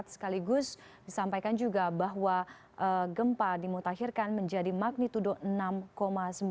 sekaligus disampaikan juga bahwa gempa dimutakhirkan menjadi magnitudo enam sembilan